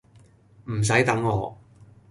唔洗等我